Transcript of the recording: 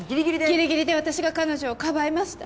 ぎりぎりで私が彼女をかばいました